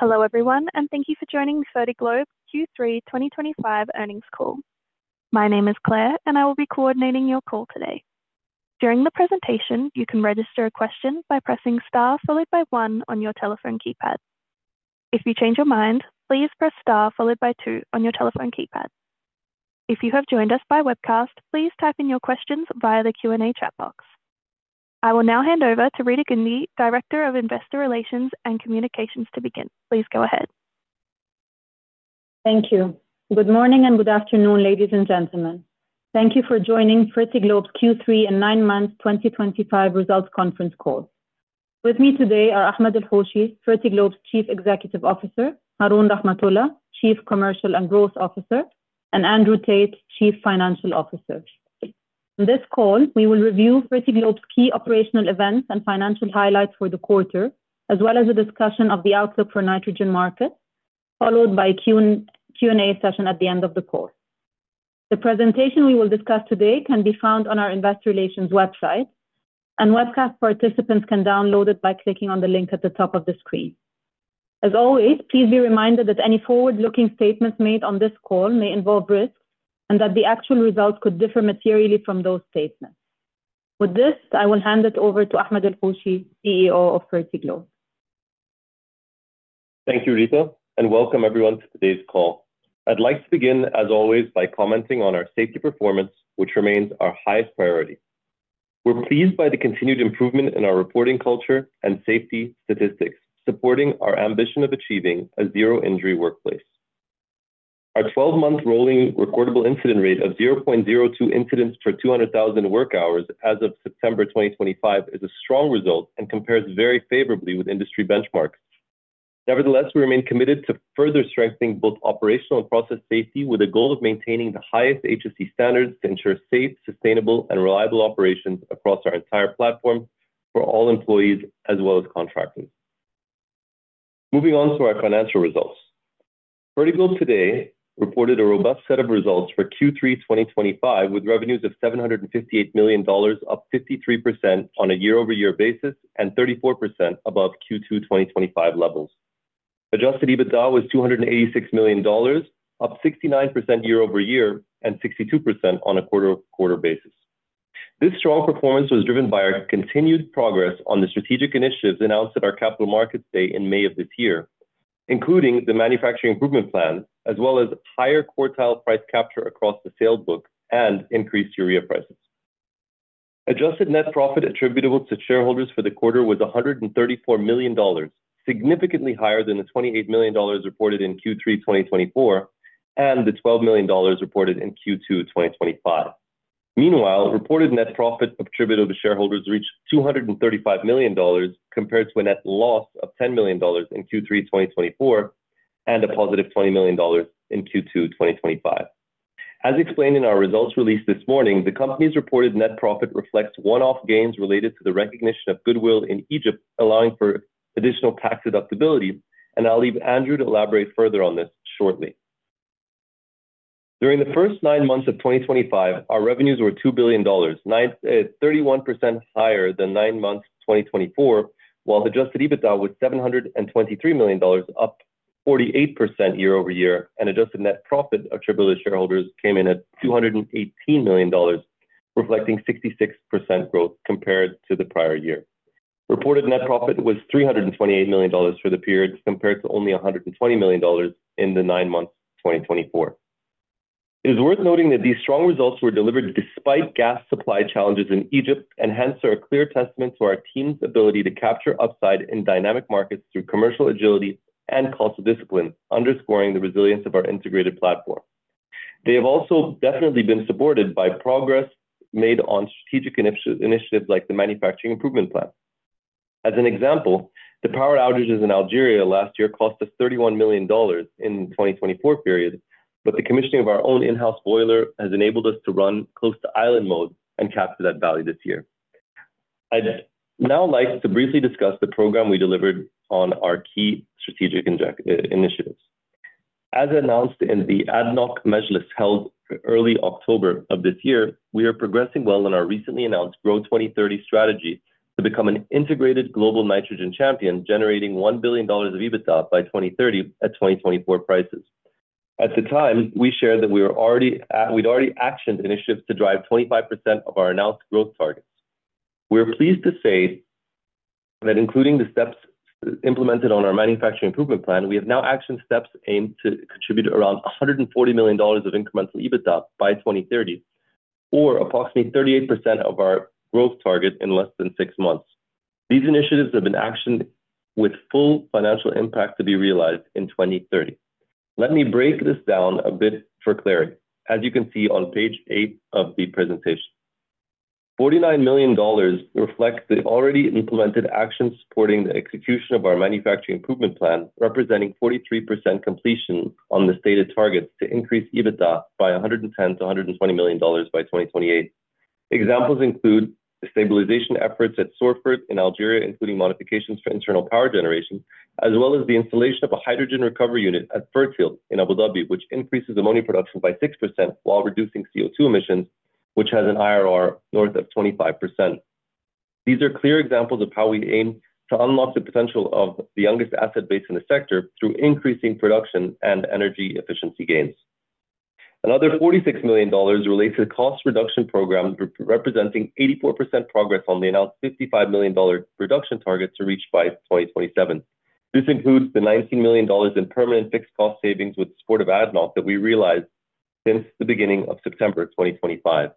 Hello everyone, and thank you for joining the Fertiglobe Q3 2025 Earnings Call. My name is Claire, and I will be coordinating your call today. During the presentation, you can register a question by pressing star followed by one on your telephone keypad. If you change your mind, please press star followed by two on your telephone keypad. If you have joined us by webcast, please type in your questions via the Q&A chat box. I will now hand over to Rita Guindy, Director of Investor Relations and Communications, to begin. Please go ahead. Thank you. Good morning and good afternoon, ladies and gentlemen. Thank you for joining Fertiglobe's Q3 and 9 months 2025 results conference call. With me today are Ahmed El-Hoshy, Fertiglobe's Chief Executive Officer; Haroon Rahmathulla, Chief Commercial and Growth Officer; and Andrew Tait, Chief Financial Officer. In this call, we will review Fertiglobe's key operational events and financial highlights for the quarter, as well as a discussion of the outlook for nitrogen markets, followed by a Q&A session at the end of the call. The presentation we will discuss today can be found on our Investor Relations website, and webcast participants can download it by clicking on the link at the top of the screen. As always, please be reminded that any forward-looking statements made on this call may involve risks and that the actual results could differ materially from those statements. With this, I will hand it over to Ahmed El-Hoshy, CEO of Fertiglobe. Thank you, Rita, and welcome everyone to today's call. I'd like to begin, as always, by commenting on our safety performance, which remains our highest priority. We're pleased by the continued improvement in our reporting culture and safety statistics, supporting our ambition of achieving a zero-injury workplace. Our 12-month rolling recordable incident rate of 0.02 incidents per 200,000 work hours as of September 2025 is a strong result and compares very favorably with industry benchmarks. Nevertheless, we remain committed to further strengthening both operational and process safety with the goal of maintaining the highest HSE standards to ensure safe, sustainable, and reliable operations across our entire platform for all employees as well as contractors. Moving on to our financial results, Fertiglobe today reported a robust set of results for Q3 2025 with revenues of $758 million, up 53% on a year-over-year basis and 34% above Q2 2025 levels. Adjusted EBITDA was $286 million, up 69% year-over-year and 62% on a quarter-over-quarter basis. This strong performance was driven by our continued progress on the strategic initiatives announced at our Capital Markets Day in May of this year, including the Manufacturing Improvement Plan, as well as higher quartile price capture across the sales book and increased urea prices. Adjusted net profit attributable to shareholders for the quarter was $134 million, significantly higher than the $28 million reported in Q3 2024 and the $12 million reported in Q2 2025. Meanwhile, reported net profit attributable to shareholders reached $235 million compared to a net loss of $10 million in Q3 2024 and a positive $20 million in Q2 2025. As explained in our results released this morning, the company's reported net profit reflects one-off gains related to the recognition of goodwill in Egypt, allowing for additional tax deductibility, and I'll leave Andrew to elaborate further on this shortly. During the first nine months of 2025, our revenues were $2 billion, 31% higher than nine months of 2024, while adjusted EBITDA was $723 million, up 48% year-over-year, and adjusted net profit attributable to shareholders came in at $218 million, reflecting 66% growth compared to the prior year. Reported net profit was $328 million for the period compared to only $120 million in the nine months of 2024. It is worth noting that these strong results were delivered despite gas supply challenges in Egypt, and hence are a clear testament to our team's ability to capture upside in dynamic markets through commercial agility and cost discipline, underscoring the resilience of our integrated platform. They have also definitely been supported by progress made on strategic initiatives like the Manufacturing Improvement Plan. As an example, the power outages in Algeria last year cost us $31 million in the 2024 period, but the commissioning of our own in-house boiler has enabled us to run close to island mode and capture that value this year. I'd now like to briefly discuss the program we delivered on our key strategic initiatives. As announced in the ADNOC measures held early October of this year, we are progressing well in our recently announced Grow 2030 strategy to become an integrated global nitrogen champion, generating $1 billion of EBITDA by 2030 at 2024 prices. At the time, we shared that we were already actioned initiatives to drive 25% of our announced growth targets. We are pleased to say that including the steps implemented on our Manufacturing Improvement Plan, we have now actioned steps aimed to contribute around $140 million of incremental EBITDA by 2030, or approximately 38% of our growth target in less than six months. These initiatives have been actioned with full financial impact to be realized in 2030. Let me break this down a bit for clarity, as you can see on page eight of the presentation. $49 million reflects the already implemented actions supporting the execution of our Manufacturing Improvement Plan, representing 43% completion on the stated targets to increase EBITDA by $110-$120 million by 2028. Examples include stabilization efforts at Sorfert in Algeria, including modifications for internal power generation, as well as the installation of a hydrogen recovery unit at Fertiglobe in Abu Dhabi, which increases ammonia production by 6% while reducing CO2 emissions, which has an IRR north of 25%. These are clear examples of how we aim to unlock the potential of the youngest asset base in the sector through increasing production and energy efficiency gains. Another $46 million relates to the cost reduction program, representing 84% progress on the announced $55 million reduction target to reach by 2027. This includes the $19 million in permanent fixed cost savings with support of ADNOC that we realized since the beginning of September 2025.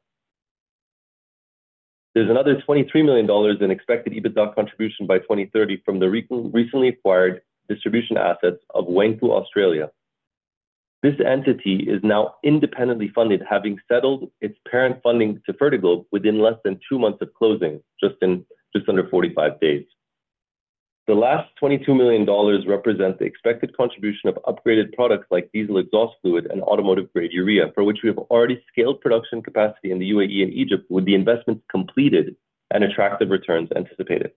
There is another $23 million in expected EBITDA contribution by 2030 from the recently acquired distribution assets of Wengfu Australia. This entity is now independently funded, having settled its parent funding to Fertiglobe within less than two months of closing, just under 45 days. The last $22 million represents the expected contribution of upgraded products like diesel exhaust fluid and automotive-grade urea, for which we have already scaled production capacity in the UAE and Egypt with the investments completed and attractive returns anticipated.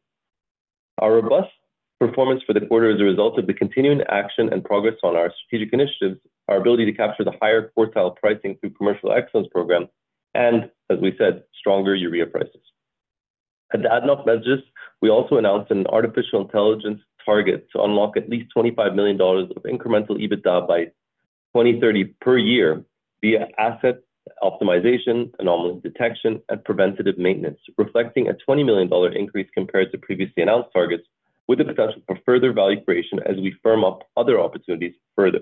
Our robust performance for the quarter is a result of the continuing action and progress on our strategic initiatives, our ability to capture the higher quartile pricing through commercial excellence program, and, as we said, stronger urea prices. At the ADNOC measures, we also announced an artificial intelligence target to unlock at least $25 million of incremental EBITDA by 2030 per year via asset optimization, anomaly detection, and preventative maintenance, reflecting a $20 million increase compared to previously announced targets, with the potential for further value creation as we firm up other opportunities further.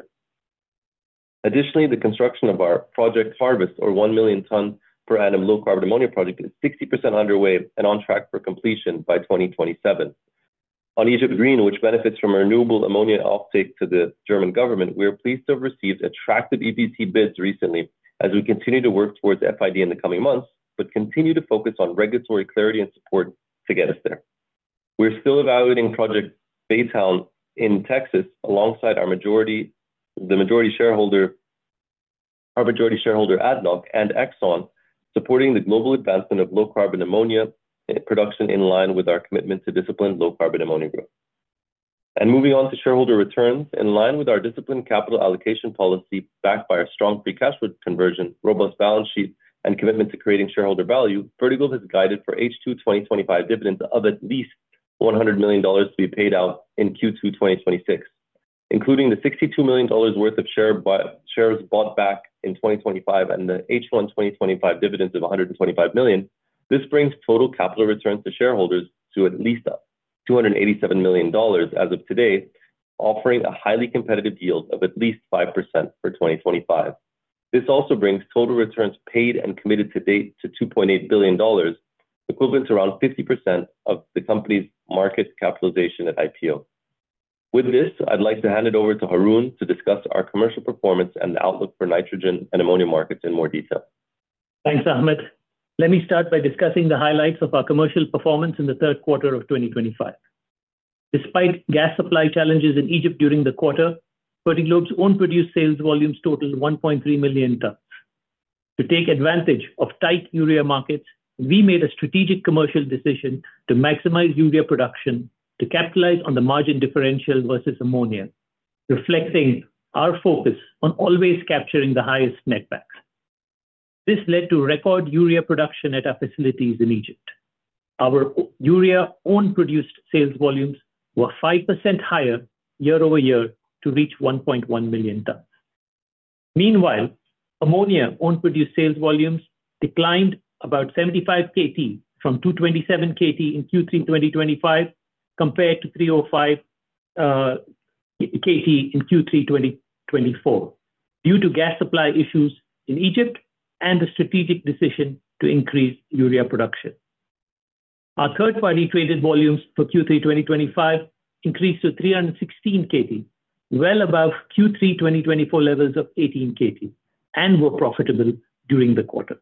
Additionally, the construction of our Project Harvest, or 1 million ton per annum low-carbon ammonia project, is 60% underway and on track for completion by 2027. On Egypt Green, which benefits from renewable ammonia offtake to the German government, we are pleased to have received attractive EPT bids recently as we continue to work towards FID in the coming months, but continue to focus on regulatory clarity and support to get us there. We're still evaluating Project Baytown in Texas alongside our majority shareholder ADNOC and Exxon, supporting the global advancement of low-carbon ammonia production in line with our commitment to disciplined low-carbon ammonia growth. Moving on to shareholder returns, in line with our disciplined capital allocation policy backed by our strong free cash flow conversion, robust balance sheet, and commitment to creating shareholder value, Fertiglobe has guided for H2 2025 dividends of at least $100 million to be paid out in Q2 2026. Including the $62 million worth of shares bought back in 2025 and the H1 2025 dividends of $125 million, this brings total capital returns to shareholders to at least $287 million as of today, offering a highly competitive yield of at least 5% for 2025. This also brings total returns paid and committed to date to $2.8 billion, equivalent to around 50% of the company's market capitalization at IPO. With this, I'd like to hand it over to Haroon to discuss our commercial performance and the outlook for nitrogen and ammonia markets in more detail. Thanks, Ahmed. Let me start by discussing the highlights of our commercial performance in the third quarter of 2025. Despite gas supply challenges in Egypt during the quarter, Fertiglobe's own produced sales volumes totaled 1.3 million tons. To take advantage of tight urea markets, we made a strategic commercial decision to maximize urea production to capitalize on the margin differential versus ammonia, reflecting our focus on always capturing the highest net back. This led to record urea production at our facilities in Egypt. Our urea-owned produced sales volumes were 5% higher year-over-year to reach 1.1 million tons. Meanwhile, ammonia-owned produced sales volumes declined about 75 KT from 227 KT in Q3 2025 compared to 305 KT in Q3 2024 due to gas supply issues in Egypt and the strategic decision to increase urea production. Our third-party traded volumes for Q3 2025 increased to 316 KT, well above Q3 2024 levels of 18 KT, and were profitable during the quarter.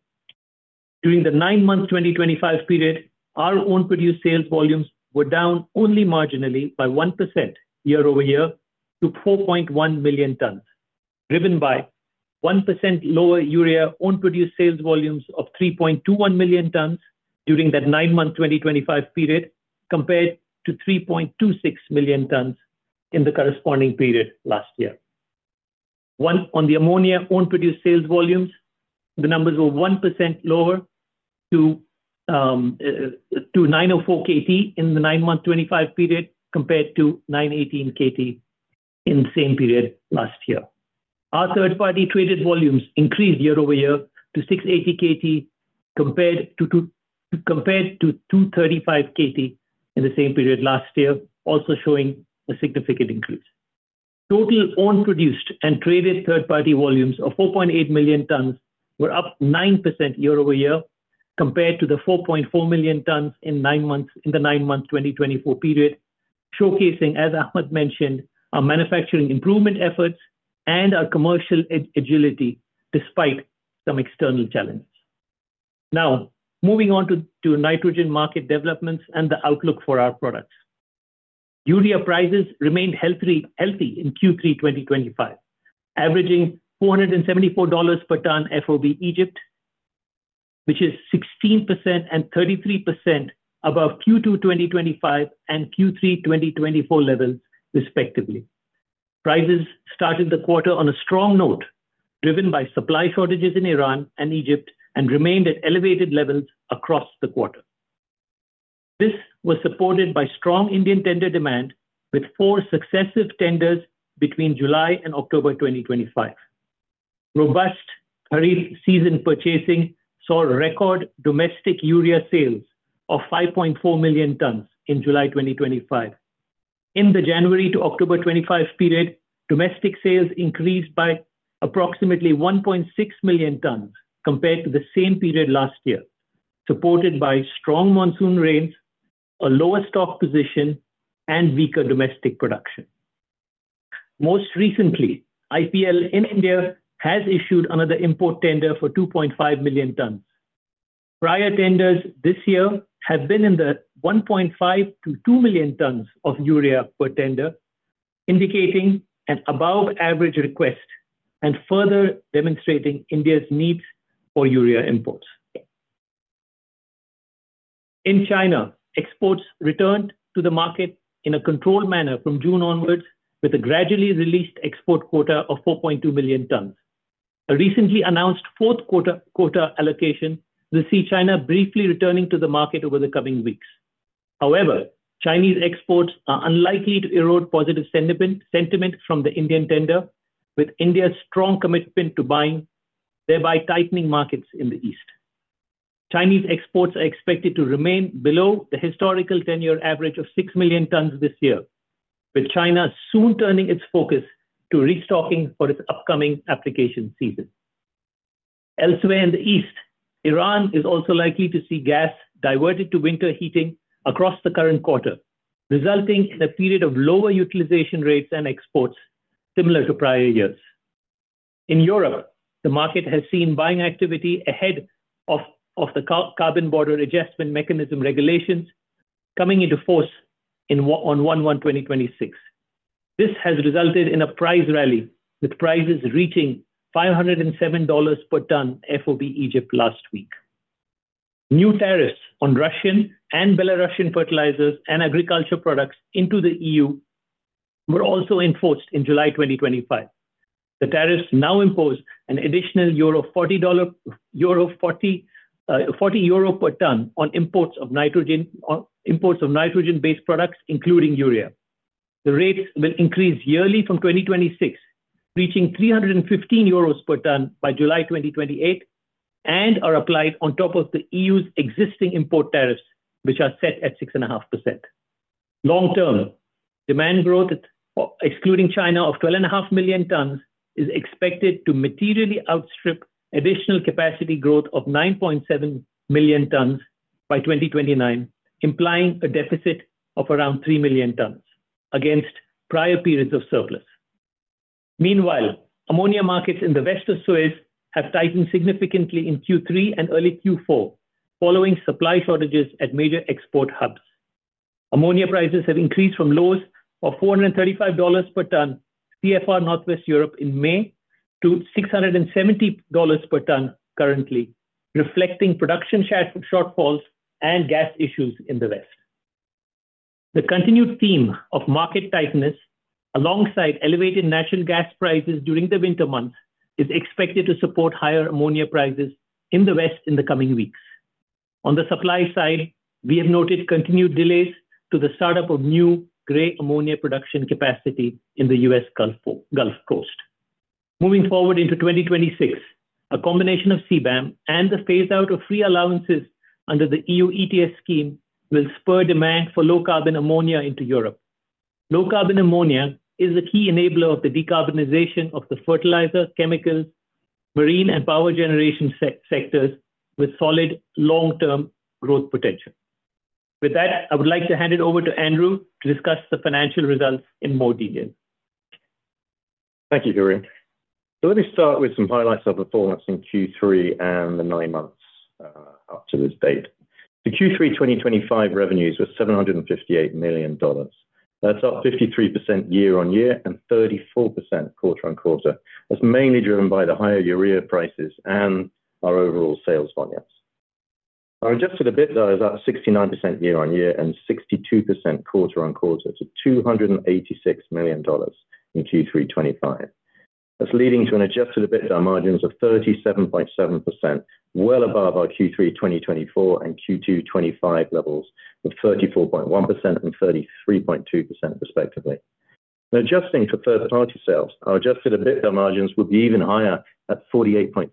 During the nine-month 2025 period, our own produced sales volumes were down only marginally by 1% year-over-year to 4.1 million tons, driven by 1% lower urea-owned produced sales volumes of 3.21 million tons during that nine-month 2025 period compared to 3.26 million tons in the corresponding period last year. On the ammonia-owned produced sales volumes, the numbers were 1% lower to 904 KT in the nine-month 2025 period compared to 918 KT in the same period last year. Our third-party traded volumes increased year-over-year to 680 KT compared to 235 KT in the same period last year, also showing a significant increase. Total owned produced and traded third-party volumes of 4.8 million tons were up 9% year-over-year compared to the 4.4 million tons in the nine-month 2024 period, showcasing, as Ahmed mentioned, our manufacturing improvement efforts and our commercial agility despite some external challenges. Now, moving on to nitrogen market developments and the outlook for our products. Urea prices remained healthy in Q3 2025, averaging $474 per ton FOB Egypt, which is 16% and 33% above Q2 2025 and Q3 2024 levels, respectively. Prices started the quarter on a strong note, driven by supply shortages in Iran and Egypt, and remained at elevated levels across the quarter. This was supported by strong Indian tender demand with four successive tenders between July and October 2025. Robust Kharif season purchasing saw record domestic urea sales of 5.4 million tons in July 2025. In the January to October 2025 period, domestic sales increased by approximately 1.6 million tons compared to the same period last year, supported by strong monsoon rains, a lower stock position, and weaker domestic production. Most recently, IPL India has issued another import tender for 2.5 million tons. Prior tenders this year have been in the 1.5-2 million tons of urea per tender, indicating an above-average request and further demonstrating India's needs for urea imports. In China, exports returned to the market in a controlled manner from June onwards, with a gradually released export quota of 4.2 million tons. A recently announced fourth quota allocation will see China briefly returning to the market over the coming weeks. However, Chinese exports are unlikely to erode positive sentiment from the Indian tender, with India's strong commitment to buying, thereby tightening markets in the east. Chinese exports are expected to remain below the historical ten-year average of 6 million tons this year, with China soon turning its focus to restocking for its upcoming application season. Elsewhere in the east, Iran is also likely to see gas diverted to winter heating across the current quarter, resulting in a period of lower utilization rates and exports similar to prior years. In Europe, the market has seen buying activity ahead of the Carbon Border Adjustment Mechanism regulations coming into force on January 1, 2026. This has resulted in a price rally, with prices reaching $507 per ton FOB Egypt last week. New tariffs on Russian and Belarusian fertilizers and agriculture products into the EU were also enforced in July 2025. The tariffs now impose an additional EUR 40 per ton on imports of nitrogen-based products, including urea. The rates will increase yearly from 2026, reaching 315 euros per ton by July 2028, and are applied on top of the EU's existing import tariffs, which are set at 6.5%. Long-term, demand growth, excluding China of 12.5 million tons, is expected to materially outstrip additional capacity growth of 9.7 million tons by 2029, implying a deficit of around 3 million tons against prior periods of surplus. Meanwhile, ammonia markets in the west of Suez have tightened significantly in Q3 and early Q4, following supply shortages at major export hubs. Ammonia prices have increased from lows of $435 per ton CFR Northwest Europe in May to $670 per ton currently, reflecting production shortfalls and gas issues in the west. The continued theme of market tightness, alongside elevated natural gas prices during the winter months, is expected to support higher ammonia prices in the west in the coming weeks. On the supply side, we have noted continued delays to the startup of new gray ammonia production capacity in the US Gulf Coast. Moving forward into 2026, a combination of CBAM and the phase-out of free allowances under the EU ETS scheme will spur demand for low-carbon ammonia into Europe. Low-carbon ammonia is a key enabler of the decarbonization of the fertilizer, chemicals, marine, and power generation sectors, with solid long-term growth potential. With that, I would like to hand it over to Andrew to discuss the financial results in more detail. Thank you, Haroon. Let me start with some highlights of performance in Q3 and the nine months up to this date. The Q3 2025 revenues were $758 million. That's up 53% year-on-year and 34% quarter-on-quarter. That's mainly driven by the higher urea prices and our overall sales volumes. Our adjusted EBITDA is up 69% year-on-year and 62% quarter-on-quarter to $286 million in Q3 2025. That's leading to adjusted EBITDA margins of 37.7%, well above our Q3 2024 and Q2 2025 levels of 34.1% and 33.2%, respectively. Adjusting for third-party sales, our adjusted EBITDA margins will be even higher at 48.3%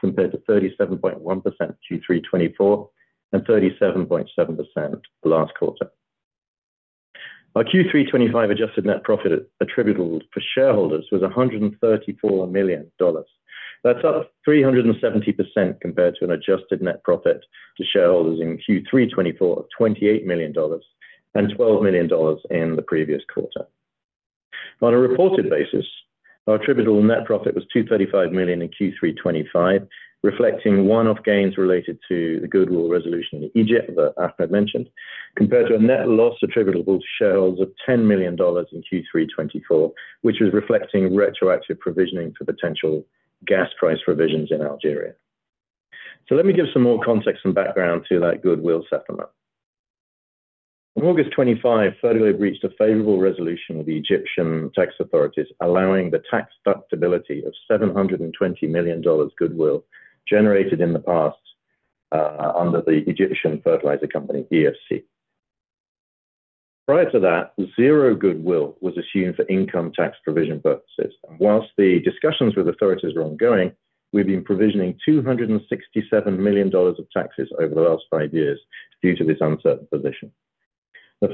compared to 37.1% in Q3 2024 and 37.7% last quarter. Our Q3 2025 adjusted net profit attributable to shareholders was $134 million. That's up 370% compared to an adjusted net profit to shareholders in Q3 2024 of $28 million and $12 million in the previous quarter. On a reported basis, our attributable net profit was $235 million in Q3 2025, reflecting one-off gains related to the Goodwill Resolution in Egypt that Ahmed mentioned, compared to a net loss attributable to shareholders of $10 million in Q3 2024, which was reflecting retroactive provisioning for potential gas price provisions in Algeria. Let me give some more context and background to that Goodwill settlement. On August 25, Fertiglobe reached a favorable resolution with the Egyptian tax authorities, allowing the tax deductibility of $720 million Goodwill generated in the past under the Egyptian Fertilizer Company EFC. Prior to that, zero Goodwill was assumed for income tax provision purposes. Whilst the discussions with authorities were ongoing, we've been provisioning $267 million of taxes over the last five years due to this uncertain position.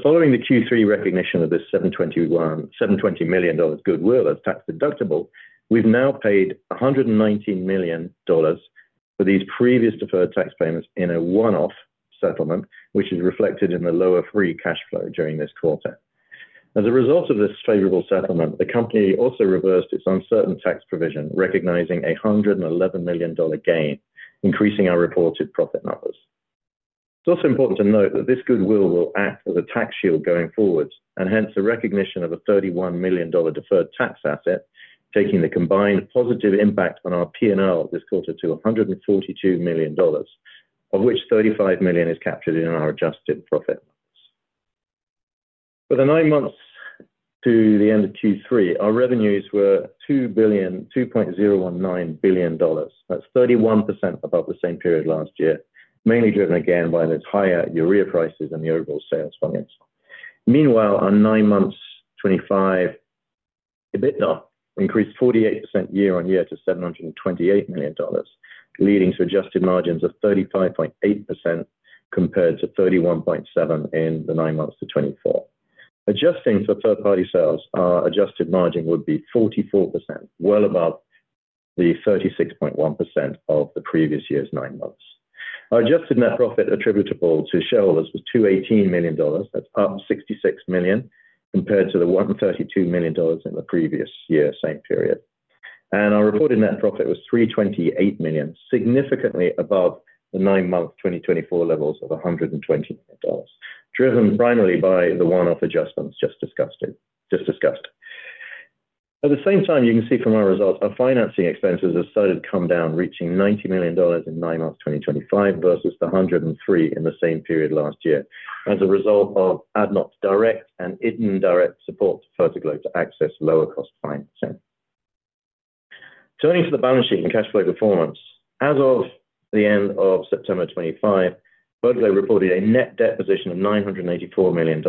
Following the Q3 recognition of this $720 million Goodwill as tax deductible, we've now paid $119 million for these previous deferred tax payments in a one-off settlement, which is reflected in the lower free cash flow during this quarter. As a result of this favorable settlement, the company also reversed its uncertain tax provision, recognizing a $111 million gain, increasing our reported profit numbers. It's also important to note that this Goodwill will act as a tax shield going forward, and hence the recognition of a $31 million deferred tax asset, taking the combined positive impact on our P&L this quarter to $142 million, of which $35 million is captured in our adjusted profit numbers. For the nine months to the end of Q3, our revenues were $2.019 billion. That's 31% above the same period last year, mainly driven again by those higher urea prices and the overall sales volumes. Meanwhile, our nine-month 2025 EBITDA increased 48% year-on-year to $728 million, leading to adjusted margins of 35.8% compared to 31.7% in the nine months to 2024. Adjusting for third-party sales, our adjusted margin would be 44%, well above the 36.1% of the previous year's nine months. Our adjusted net profit attributable to shareholders was $218 million. That's up $66 million compared to the $132 million in the previous year's same period. Our reported net profit was $328 million, significantly above the nine-month 2024 levels of $120 million, driven primarily by the one-off adjustments just discussed. At the same time, you can see from our results, our financing expenses have started to come down, reaching $90 million in nine months 2025 versus the $103 million in the same period last year, as a result of ADNOC's direct and indirect support to Fertiglobe to access lower-cost financing. Turning to the balance sheet and cash flow performance, as of the end of September 2025, Fertiglobe reported a net debt position of $984 million,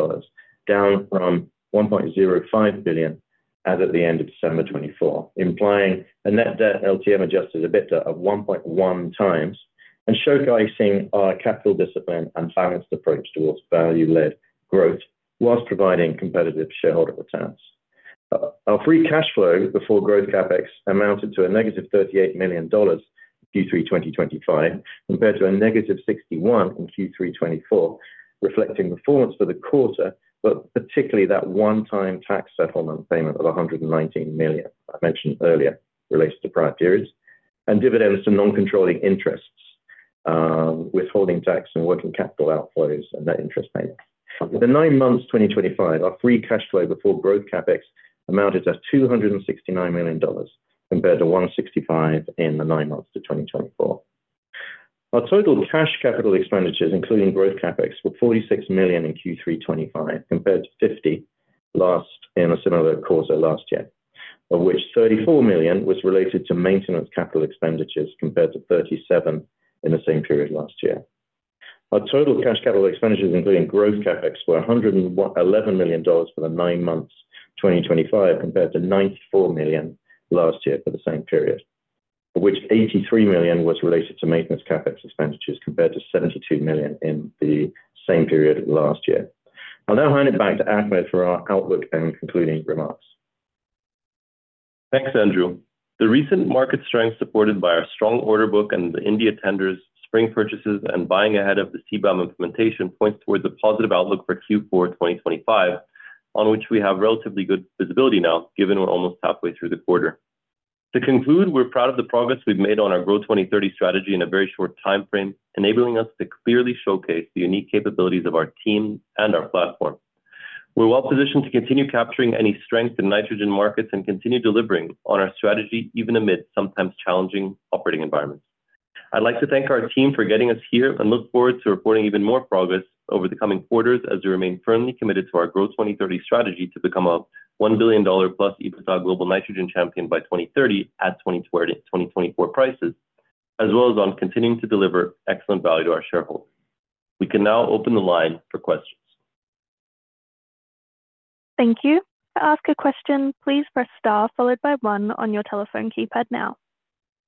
down from $1.05 billion as at the end of December 2024, implying a net debt LTM adjusted EBITDA of 1.1 times and showcasing our capital discipline and balanced approach towards value-led growth whilst providing competitive shareholder returns. Our free cash flow before growth CapEx amounted to a negative $38 million in Q3 2025 compared to a negative $61 million in Q3 2024, reflecting performance for the quarter, but particularly that one-time tax settlement payment of $119 million I mentioned earlier related to prior periods and dividends to non-controlling interests, withholding tax and working capital outflows and net interest payments. For the nine months 2025, our free cash flow before growth CapEx amounted to $269 million compared to $165 million in the nine months to 2024. Our total cash capital expenditures, including growth CapEx, were $46 million in Q3 2025 compared to $50 million in a similar quarter last year, of which $34 million was related to maintenance capital expenditures compared to $37 million in the same period last year. Our total cash capital expenditures, including growth CapEx, were $111 million for the nine months 2025 compared to $94 million last year for the same period, of which $83 million was related to maintenance CapEx expenditures compared to $72 million in the same period last year. I'll now hand it back to Ahmed for our outlook and concluding remarks. Thanks, Andrew. The recent market strength supported by our strong order book and the India tenders, spring purchases, and buying ahead of the CBAM implementation points towards a positive outlook for Q4 2025, on which we have relatively good visibility now, given we're almost halfway through the quarter. To conclude, we're proud of the progress we've made on our Grow 2030 strategy in a very short time frame, enabling us to clearly showcase the unique capabilities of our team and our platform. We're well positioned to continue capturing any strength in nitrogen markets and continue delivering on our strategy even amid sometimes challenging operating environments. I'd like to thank our team for getting us here and look forward to reporting even more progress over the coming quarters as we remain firmly committed to our Grow 2030 strategy to become a $1 billion-plus EBITDA global nitrogen champion by 2030 at 2024 prices, as well as on continuing to deliver excellent value to our shareholders. We can now open the line for questions. Thank you. To ask a question, please press Star followed by 1 on your telephone keypad now.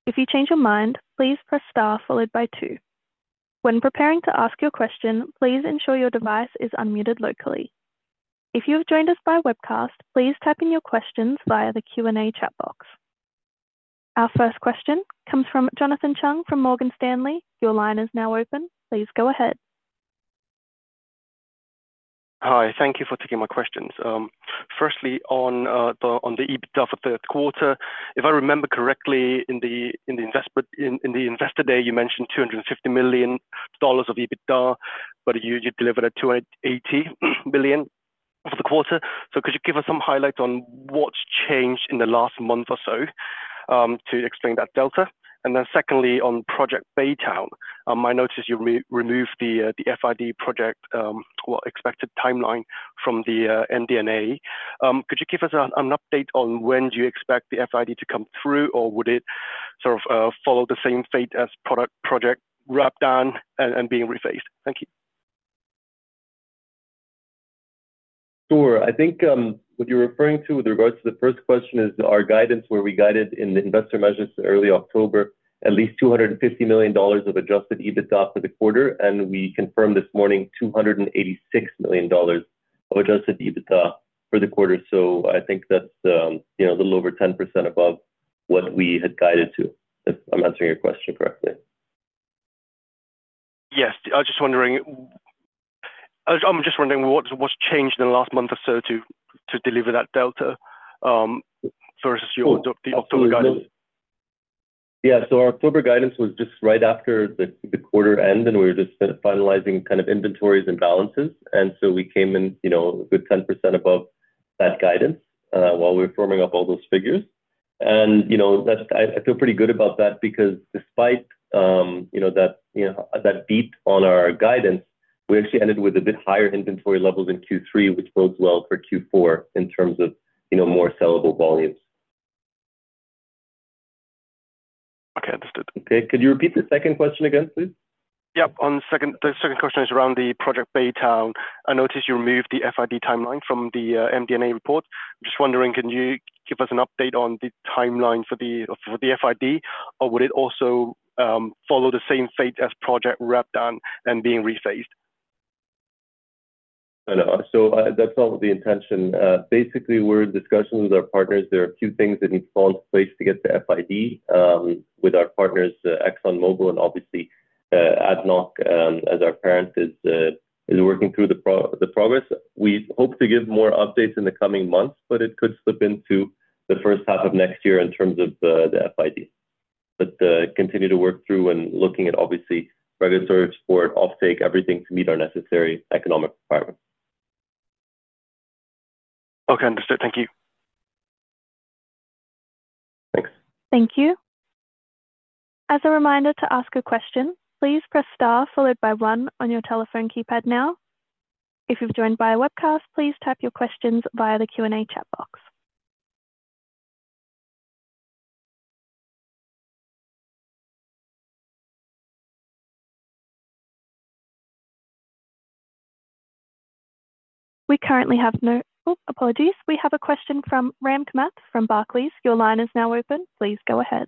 If you change your mind, please press Star followed by 2. When preparing to ask your question, please ensure your device is unmuted locally. If you have joined us by webcast, please type in your questions via the Q&A chat box. Our first question comes from Jonathan Chung from Morgan Stanley. Your line is now open. Please go ahead. Hi. Thank you for taking my questions. Firstly, on the EBITDA for the third quarter, if I remember correctly, in the Investor Day, you mentioned $250 million of EBITDA, but you delivered at $280 million for the quarter. Could you give us some highlights on what's changed in the last month or so to explain that delta? Secondly, on Project Baytown, I noticed you removed the FID project, expected timeline from the NDNA. Could you give us an update on when do you expect the FID to come through, or would it sort of follow the same fate as project wrapped down and being rephased? Thank you. Sure. I think what you're referring to with regards to the first question is our guidance where we guided in the investor measures in early October, at least $250 million of adjusted EBITDA for the quarter. We confirmed this morning $286 million of adjusted EBITDA for the quarter. I think that's a little over 10% above what we had guided to, if I'm answering your question correctly. Yes. I'm just wondering what's changed in the last month or so to deliver that delta versus the October guidance? Yeah. Our October guidance was just right after the quarter end, and we were just finalizing kind of inventories and balances. We came in a good 10% above that guidance while we were firming up all those figures. I feel pretty good about that because despite that beat on our guidance, we actually ended with a bit higher inventory levels in Q3, which bodes well for Q4 in terms of more sellable volumes. Okay. Understood. Okay. Could you repeat the second question again, please? Yep. The second question is around the Project Baytown. I noticed you removed the FID timeline from the ADNOC report. I'm just wondering, can you give us an update on the timeline for the FID, or would it also follow the same fate as Project Wrapped Down and being rephased? That's not the intention. Basically, we're in discussion with our partners. There are a few things that need to fall into place to get the FID with our partners, ExxonMobil, and obviously ADNOC, as our parent, is working through the progress. We hope to give more updates in the coming months, but it could slip into the first half of next year in terms of the FID. We continue to work through and looking at, obviously, regulatory support, offtake, everything to meet our necessary economic requirements. Okay. Understood. Thank you. Thanks. Thank you. As a reminder to ask a question, please press Star followed by 1 on your telephone keypad now. If you've joined by webcast, please type your questions via the Q&A chat box. We currently have no—oh, apologies. We have a question from Ramakant from Barclays. Your line is now open. Please go ahead.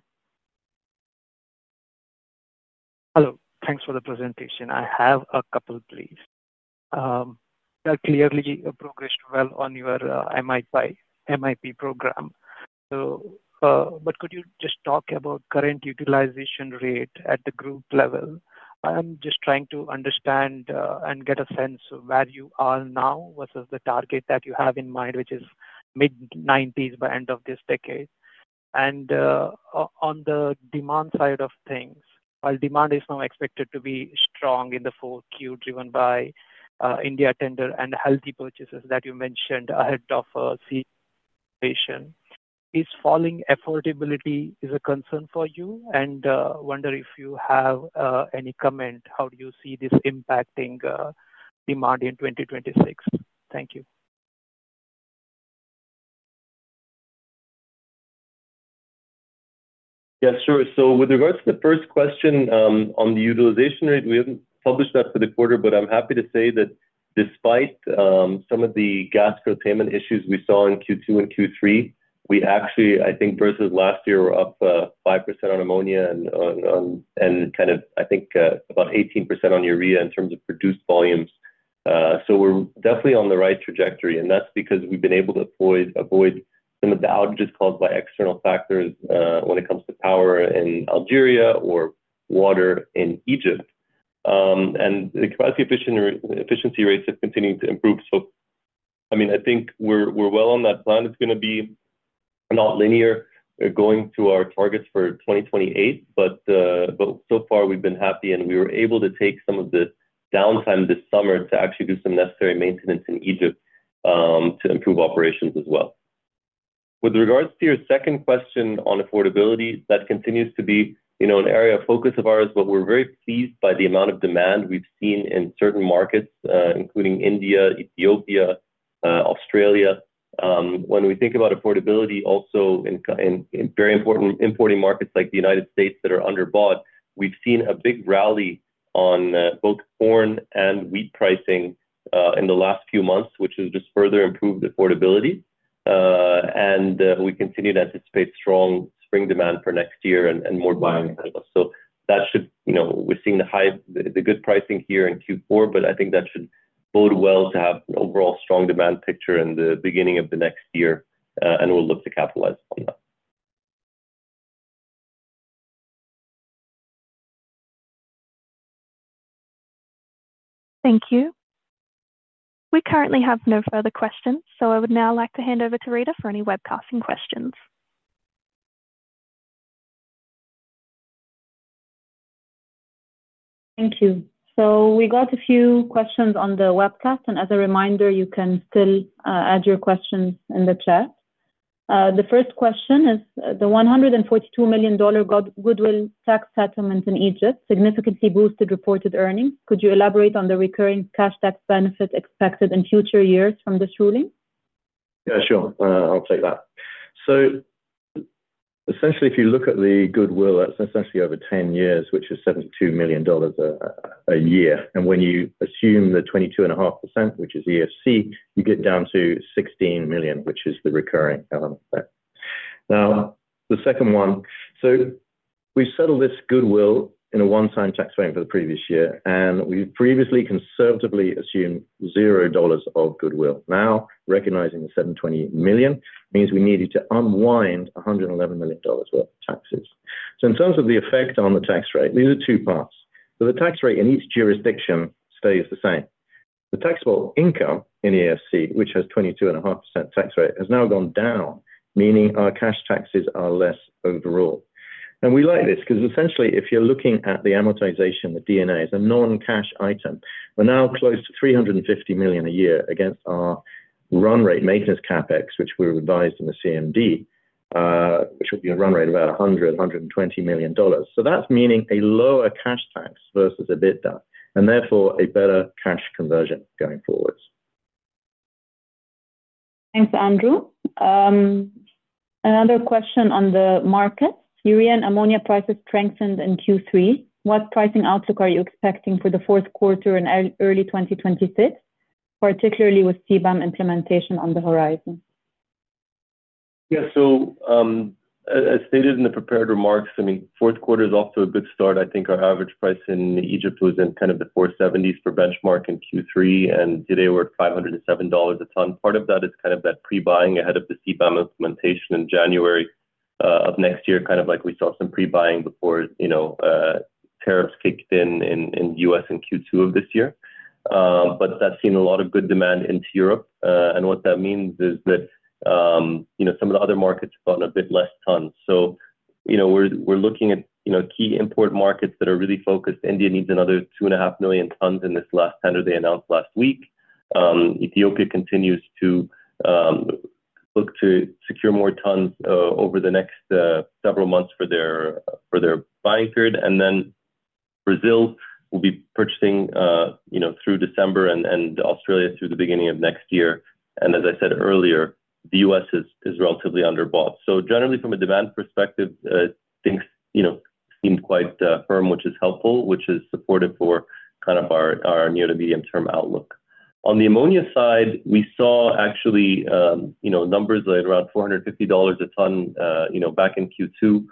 Hello. Thanks for the presentation. I have a couple of beliefs. Clearly, you progressed well on your MIP program. Could you just talk about current utilization rate at the group level? I'm just trying to understand and get a sense of where you are now versus the target that you have in mind, which is mid-90s by end of this decade. On the demand side of things, while demand is now expected to be strong in the fourth quarter driven by India tender and healthy purchases that you mentioned ahead of vacation, is falling affordability a concern for you? I wonder if you have any comment. How do you see this impacting demand in 2026? Thank you. Yeah. Sure. So with regards to the first question on the utilization rate, we have not published that for the quarter, but I am happy to say that despite some of the gas curtailment issues we saw in Q2 and Q3, we actually, I think, versus last year, were up 5% on ammonia and kind of, I think, about 18% on urea in terms of produced volumes. So we are definitely on the right trajectory. That is because we have been able to avoid some of the outages caused by external factors when it comes to power in Algeria or water in Egypt. The capacity efficiency rates have continued to improve. I mean, I think we are well on that plan. It is going to be not linear. We are going to our targets for 2028. So far, we have been happy. We were able to take some of the downtime this summer to actually do some necessary maintenance in Egypt to improve operations as well. With regards to your second question on affordability, that continues to be an area of focus of ours, but we're very pleased by the amount of demand we've seen in certain markets, including India, Ethiopia, Australia. When we think about affordability, also in very important importing markets like the United States that are underbought, we've seen a big rally on both corn and wheat pricing in the last few months, which has just further improved affordability. We continue to anticipate strong spring demand for next year and more buying as well. That should—we're seeing the good pricing here in Q4, but I think that should bode well to have an overall strong demand picture in the beginning of the next year. We'll look to capitalize on that. Thank you. We currently have no further questions. I would now like to hand over to Rita for any webcasting questions. Thank you. We got a few questions on the webcast. As a reminder, you can still add your questions in the chat. The first question is, the $142 million goodwill tax settlement in Egypt significantly boosted reported earnings. Could you elaborate on the recurring cash tax benefit expected in future years from this ruling? Yeah. Sure. I'll take that. So essentially, if you look at the goodwill, that's essentially over 10 years, which is $72 million a year. And when you assume the 22.5%, which is EFC, you get down to $16 million, which is the recurring element there. Now, the second one. We settled this goodwill in a one-sign tax plan for the previous year. We previously conservatively assumed $0 of goodwill. Now, recognizing the $720 million means we needed to unwind $111 million worth of taxes. In terms of the effect on the tax rate, these are two parts. The tax rate in each jurisdiction stays the same. The taxable income in EFC, which has a 22.5% tax rate, has now gone down, meaning our cash taxes are less overall. We like this because essentially, if you're looking at the amortization, the DNA is a non-cash item. We're now close to $350 million a year against our run rate maintenance CapEx, which we revised in the CMD, which will be a run rate of about $100-$120 million. That's meaning a lower cash tax versus EBITDA and therefore a better cash conversion going forwards. Thanks, Andrew. Another question on the markets. Urea and ammonia prices strengthened in Q3. What pricing outlook are you expecting for the fourth quarter and early 2026, particularly with CBAM implementation on the horizon? Yeah. As stated in the prepared remarks, I mean, fourth quarter is off to a good start. I think our average price in Egypt was in kind of the $470s for benchmark in Q3. Today, we're at $507 a ton. Part of that is kind of that pre-buying ahead of the CBAM implementation in January of next year, kind of like we saw some pre-buying before tariffs kicked in in the US in Q2 of this year. That has seen a lot of good demand into Europe. What that means is that some of the other markets have gone a bit less tons. We're looking at key import markets that are really focused. India needs another 2.5 million tons in this last tender they announced last week. Ethiopia continues to look to secure more tons over the next several months for their buying period. Brazil will be purchasing through December and Australia through the beginning of next year. As I said earlier, the U.S. is relatively underbought. Generally, from a demand perspective, things seem quite firm, which is helpful, which is supportive for kind of our near to medium-term outlook. On the ammonia side, we saw actually numbers like around $450 a ton back in Q2.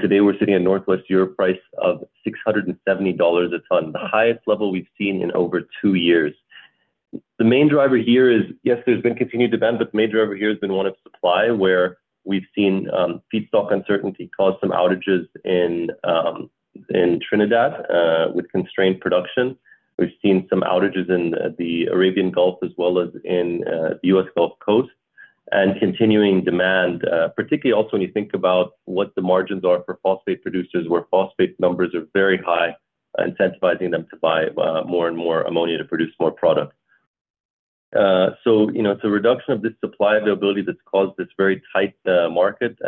Today, we're sitting at Northwest Europe price of $670 a ton, the highest level we've seen in over two years. The main driver here is, yes, there's been continued demand, but the major over here has been one of supply where we've seen feedstock uncertainty cause some outages in Trinidad with constrained production. We've seen some outages in the Arabian Gulf as well as in the U.S. Gulf Coast. Continuing demand, particularly also when you think about what the margins are for phosphate producers where phosphate numbers are very high, incentivizing them to buy more and more ammonia to produce more product. It is a reduction of this supply availability that has caused this very tight market.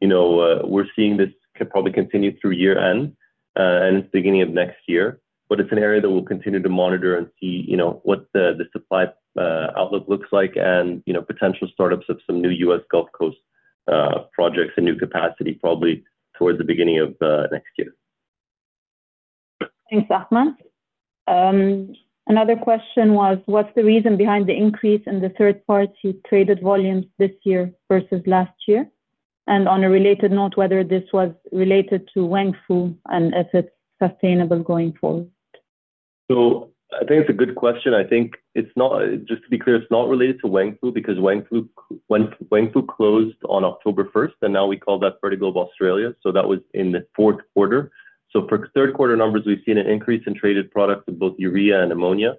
We are seeing this probably continue through year-end and beginning of next year. It is an area that we will continue to monitor and see what the supply outlook looks like and potential startups of some new US Gulf Coast projects and new capacity probably towards the beginning of next year. Thanks, Ahmed. Another question was, what's the reason behind the increase in the third-party traded volumes this year versus last year? On a related note, whether this was related to Wengfu and if it's sustainable going forward. I think it's a good question. I think, just to be clear, it's not related to Wengfu because Wengfu closed on October 1, and now we call that Fertiglobe Australia. That was in the fourth quarter. For third-quarter numbers, we've seen an increase in traded products of both urea and ammonia.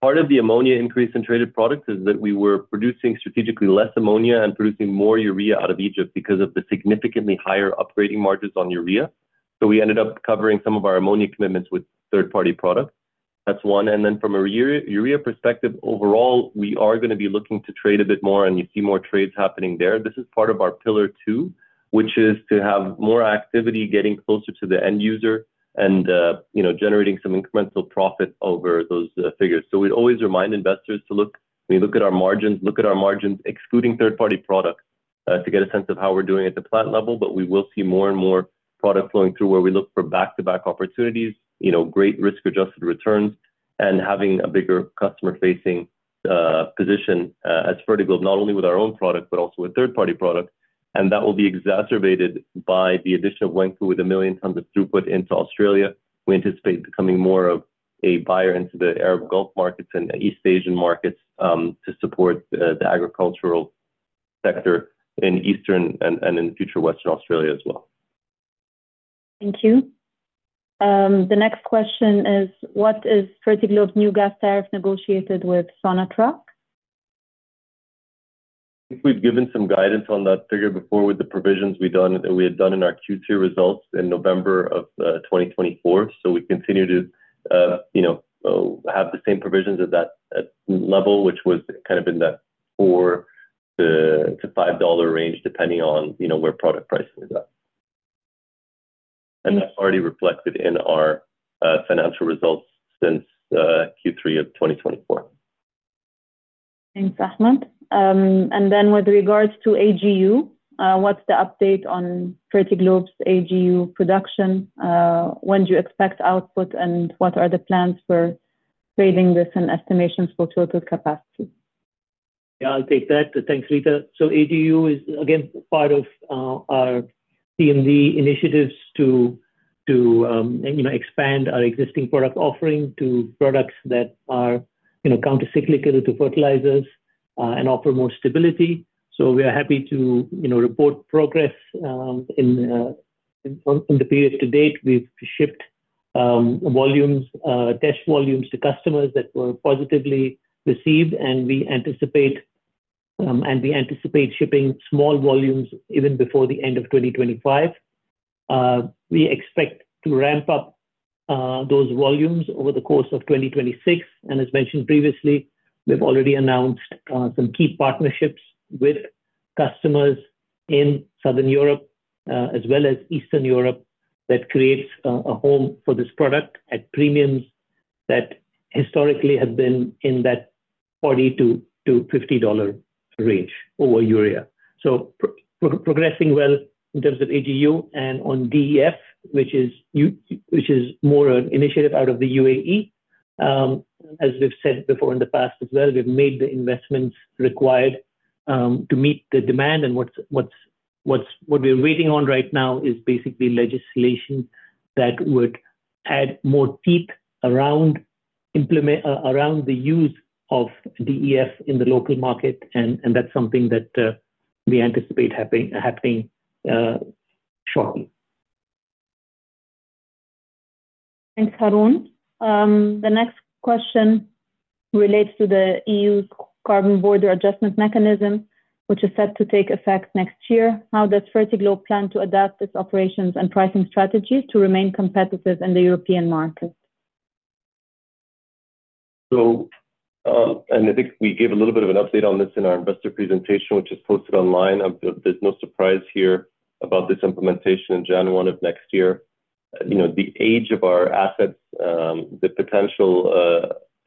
Part of the ammonia increase in traded products is that we were producing strategically less ammonia and producing more urea out of Egypt because of the significantly higher upgrading margins on urea. We ended up covering some of our ammonia commitments with third-party products. That's one. Then from a urea perspective, overall, we are going to be looking to trade a bit more, and you see more trades happening there. This is part of our pillar two, which is to have more activity getting closer to the end user and generating some incremental profit over those figures. We always remind investors to look at our margins, look at our margins, excluding third-party products to get a sense of how we're doing at the plant level. We will see more and more product flowing through where we look for back-to-back opportunities, great risk-adjusted returns, and having a bigger customer-facing position as Fertiglobe, not only with our own product, but also with third-party products. That will be exacerbated by the addition of Wengfu with a million tons of throughput into Australia. We anticipate becoming more of a buyer into the Arab Gulf markets and East Asian markets to support the agricultural sector in Eastern and in the future Western Australia as well. Thank you. The next question is, what is Fertiglobe's new gas tariff negotiated with Sonatrach? I think we've given some guidance on that figure before with the provisions we had done in our Q2 results in November of 2024. We continue to have the same provisions at that level, which was kind of in that $4-$5 range, depending on where product pricing is at. That's already reflected in our financial results since Q3 of 2024. Thanks, Ahmed. And then with regards to AGU, what's the update on Fertiglobe's AGU production? When do you expect output, and what are the plans for trading this and estimations for total capacity? Yeah. I'll take that. Thanks, Rita. AGU is, again, part of our CMD initiatives to expand our existing product offering to products that are countercyclical to fertilizers and offer more stability. We are happy to report progress in the period to date. We've shipped volumes, test volumes to customers that were positively received. We anticipate shipping small volumes even before the end of 2025. We expect to ramp up those volumes over the course of 2026. As mentioned previously, we've already announced some key partnerships with customers in Southern Europe as well as Eastern Europe that creates a home for this product at premiums that historically have been in that $40-$50 range over urea. Progressing well in terms of AGU and on DEF, which is more an initiative out of the UAE. As we've said before in the past as well, we've made the investments required to meet the demand. What we're waiting on right now is basically legislation that would add more teeth around the use of DEF in the local market. That's something that we anticipate happening shortly. Thanks, Haroon. The next question relates to the EU's carbon border adjustment mechanism, which is set to take effect next year. How does Fertiglobe plan to adapt its operations and pricing strategies to remain competitive in the European market? I think we gave a little bit of an update on this in our investor presentation, which is posted online. There's no surprise here about this implementation in January of next year. The age of our assets, the potential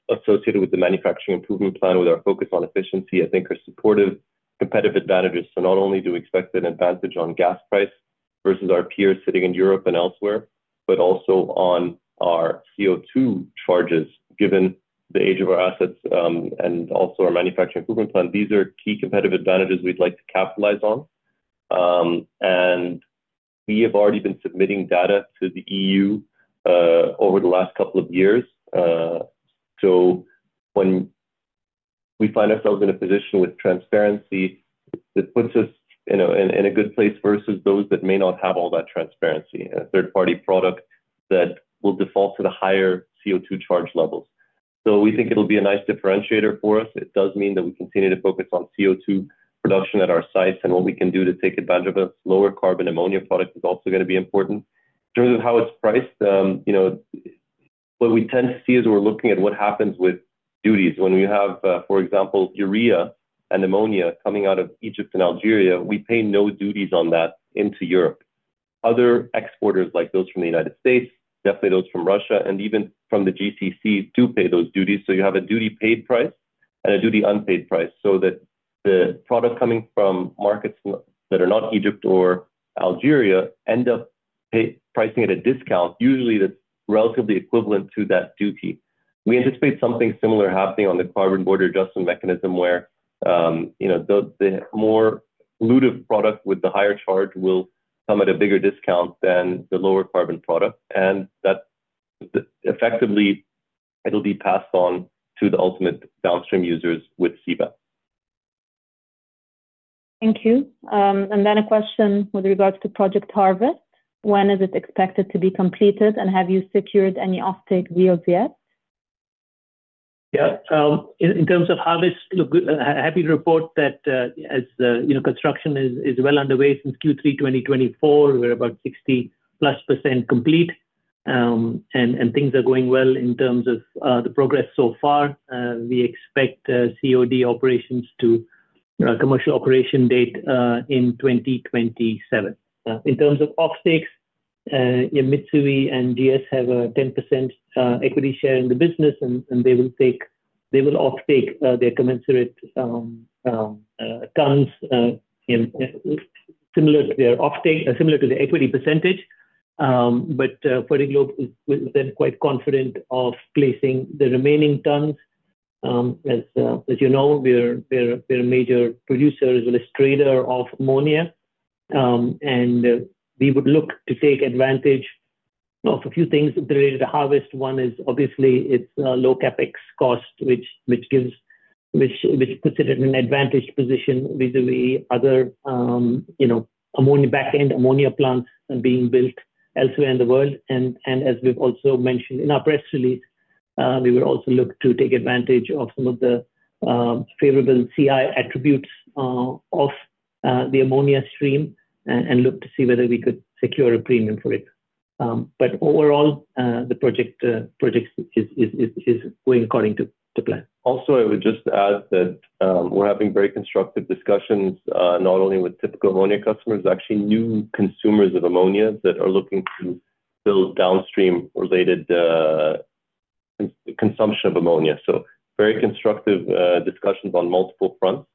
associated with the manufacturing improvement plan with our focus on efficiency, I think are supportive competitive advantages. Not only do we expect an advantage on gas price versus our peers sitting in Europe and elsewhere, but also on our CO2 charges given the age of our assets and also our manufacturing improvement plan. These are key competitive advantages we'd like to capitalize on. We have already been submitting data to the EU over the last couple of years. When we find ourselves in a position with transparency, it puts us in a good place versus those that may not have all that transparency and a third-party product that will default to the higher CO2 charge levels. We think it will be a nice differentiator for us. It does mean that we continue to focus on CO2 production at our sites. What we can do to take advantage of a lower carbon ammonia product is also going to be important. In terms of how it is priced, what we tend to see as we are looking at what happens with duties, when we have, for example, urea and ammonia coming out of Egypt and Algeria, we pay no duties on that into Europe. Other exporters, like those from the United States, definitely those from Russia, and even from the GCC, do pay those duties. You have a duty-paid price and a duty-unpaid price so that the product coming from markets that are not Egypt or Algeria end up pricing at a discount, usually that's relatively equivalent to that duty. We anticipate something similar happening on the carbon border adjustment mechanism where the more pollutive product with the higher charge will come at a bigger discount than the lower carbon product. Effectively, it'll be passed on to the ultimate downstream users with CBAM. Thank you. A question with regards to Project Harvest. When is it expected to be completed, and have you secured any off-take wheels yet? Yeah. In terms of Harvest, happy to report that as construction is well underway since Q3 2024, we're about 60% plus complete. Things are going well in terms of the progress so far. We expect COD operations to commercial operation date in 2027. In terms of off-takes, Mitsui and GS have a 10% equity share in the business, and they will off-take their commensurate tons similar to their equity percentage. FertiGlobe is then quite confident of placing the remaining tons. As you know, we're a major producer as well as trader of ammonia. We would look to take advantage of a few things related to Harvest. One is obviously its low CapEx cost, which puts it in an advantaged position vis-à-vis other back-end ammonia plants being built elsewhere in the world. As we've also mentioned in our press release, we would also look to take advantage of some of the favorable CI attributes of the ammonia stream and look to see whether we could secure a premium for it. Overall, the project is going according to plan. Also, I would just add that we're having very constructive discussions not only with typical ammonia customers, actually new consumers of ammonia that are looking to build downstream-related consumption of ammonia. Very constructive discussions on multiple fronts.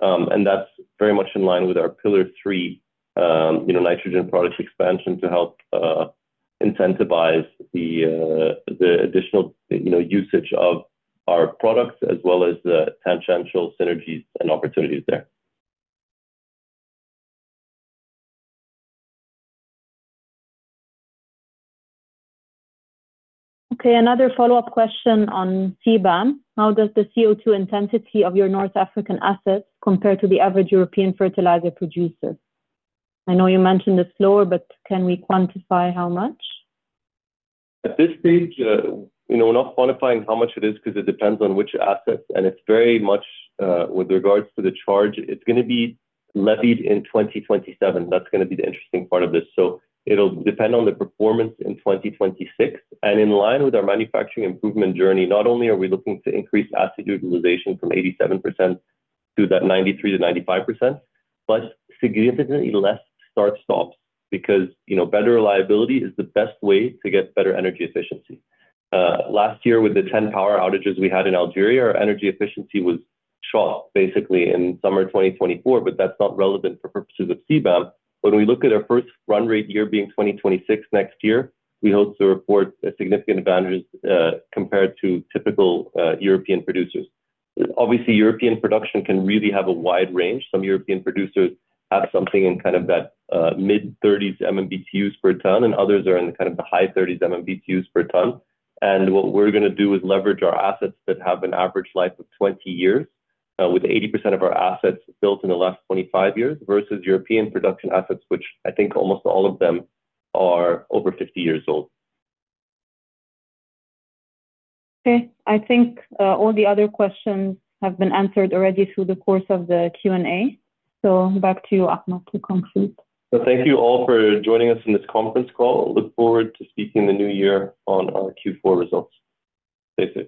That is very much in line with our pillar three, nitrogen product expansion, to help incentivize the additional usage of our products as well as the tangential synergies and opportunities there. Okay. Another follow-up question on CBAM. How does the CO2 intensity of your North African assets compare to the average European fertilizer producer? I know you mentioned it's lower, but can we quantify how much? At this stage, we're not quantifying how much it is because it depends on which assets. It is very much with regards to the charge. It is going to be levied in 2027. That is going to be the interesting part of this. It will depend on the performance in 2026. In line with our manufacturing improvement journey, not only are we looking to increase asset utilization from 87% to that 93-95%, but significantly less start-stops because better reliability is the best way to get better energy efficiency. Last year, with the 10 power outages we had in Algeria, our energy efficiency was shot basically in summer 2024, but that is not relevant for purposes of CBAM. When we look at our first run rate year being 2026 next year, we hope to report significant advantages compared to typical European producers. Obviously, European production can really have a wide range. Some European producers have something in kind of that mid-30s MMBTUs per ton, and others are in kind of the high 30s MMBTUs per ton. What we're going to do is leverage our assets that have an average life of 20 years, with 80% of our assets built in the last 25 years versus European production assets, which I think almost all of them are over 50 years old. Okay. I think all the other questions have been answered already through the course of the Q&A. So back to you, Ahmed, to conclude. Thank you all for joining us in this conference call. Look forward to speaking in the new year on our Q4 results. Stay safe.